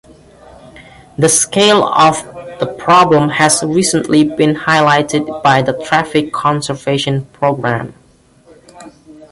The scale of the problem has recently been highlighted by the Traffic conservation programme.